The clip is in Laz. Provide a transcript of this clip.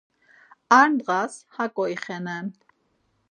Ar ndğas haǩo ixenen.